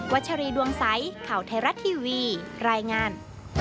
ัชรีดวงใสข่าวไทยรัฐทีวีรายงาน